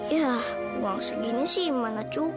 ya uang segini sih mana cukup